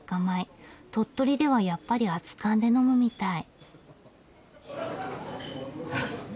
鳥取ではやっぱり熱燗で呑むみたい。